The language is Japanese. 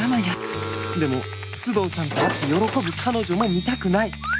でも須藤さんと会って喜ぶ彼女も見たくない